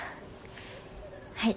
はい。